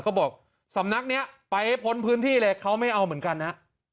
บอกสำนักนี้ไปให้พ้นพื้นที่เลยเขาไม่เอาเหมือนกันฮะ